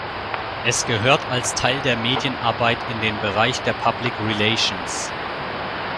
Es gehört als Teil der Medienarbeit in den Bereich der Public Relations.